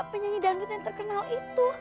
penyanyi dangdut yang terkenal itu